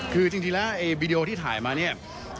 คือจริงแล้วไอ้วีดีโอที่ถ่ายมาเนี่ย